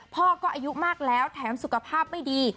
พ่อก็อายุมากแล้วแถมสุขภาพไม่ดี